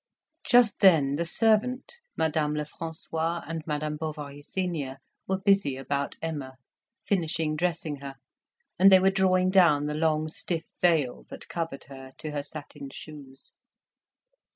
Just then the servant, Madame Lefrancois, and Madame Bovary senior were busy about Emma, finishing dressing her, and they were drawing down the long stiff veil that covered her to her satin shoes.